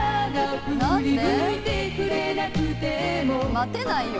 待てないよ。